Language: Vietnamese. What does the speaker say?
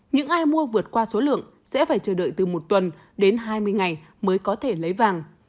những ai mua vượt qua số lượng sẽ phải chờ đợi từ một tuần đến hai mươi ngày mới có thể lấy vàng